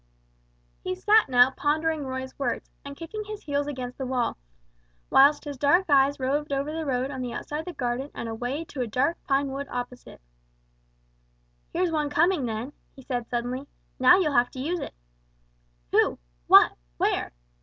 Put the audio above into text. He sat now pondering Roy's words, and kicking his heels against the wall, whilst his eyes roved over the road on the outside of the garden and away to a dark pine wood opposite. "Here's one coming then," he said, suddenly; "now you'll have to use it." "Who? What? Where?"